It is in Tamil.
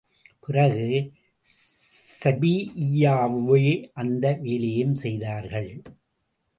பிறகு ஸபிய்யாவே அந்த வேலையையும் செய்தார்கள்.